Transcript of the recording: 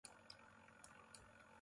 موݨ کھیسِس۔